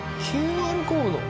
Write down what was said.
ＱＲコード？